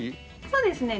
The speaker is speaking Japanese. そうですね。